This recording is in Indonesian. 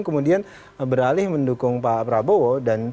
kemudian beralih mendukung pak prabowo